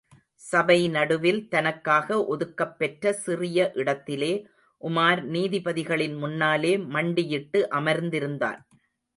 சபை நடுவில் தனக்காக ஒதுக்கப் பெற்ற சிறிய இடத்திலே, உமார் நீதிபதிகளின் முன்னாலே மண்டியிட்டு அமர்ந்திருந்தான்.